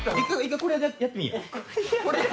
「これでやってみ」？